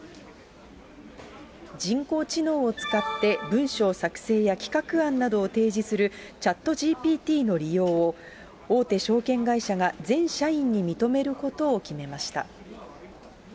人工知能を使って文章作成や企画案などを提示するＣｈａｔＧＰＴの利用を、大手証券会社が全社員に認めることを決めました。